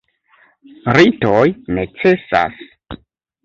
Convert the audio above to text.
Ritoj necesas.